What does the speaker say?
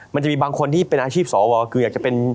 มันจะมีบางคนที่เป็นอาชีพสวคืออยากจะเป็น